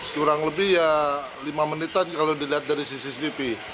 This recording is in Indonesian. kurang lebih ya lima menitan kalau dilihat dari cctv